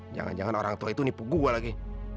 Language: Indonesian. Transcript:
jangan jangan orang tua itu nipu gue lagi